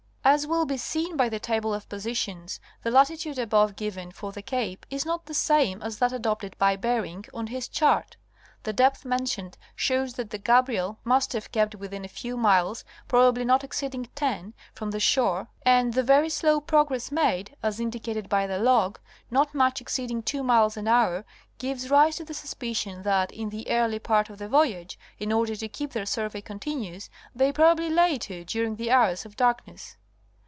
As will be seen by the Table of Positions, the latitude above given for the cape is not the same as that adopted by Bering on his chart. The depth mentioned shows that the Gabriel must have kept within a few miles, probably not exceeding ten, from the shore and the very slow progress made, as indicated by the log, not much exceed ing two miles an hour gives rise to the suspicion that, in the early part of the voyage, in order to keep their survey continuous, they probably lay to during the hours of darkness.